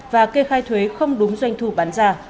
và kê khai thuế không đúng doanh thu bán ra